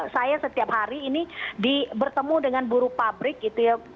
saya setiap hari ini bertemu dengan buru pabrik gitu ya